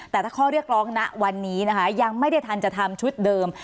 แต่ถ้าข้อเรียกร้องนะวันนี้นะคะยังไม่ได้ทันจะทำชุดเดิม